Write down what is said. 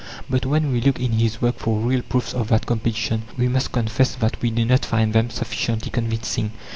But when we look in his work for real proofs of that competition, we must confess that we do not find them sufficiently convincing.